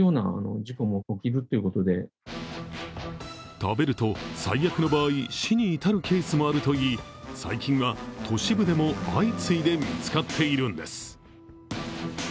食べると最悪の場合、死に至るケースもあるといい、最近は都市部でも相次いで見つかっているんです。